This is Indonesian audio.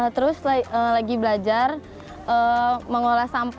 terus lagi belajar mengolah sampah